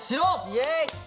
イエーイ！